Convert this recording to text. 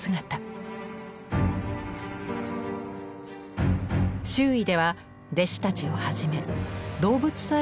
周囲では弟子たちをはじめ動物さえも嘆き悲しんでいます。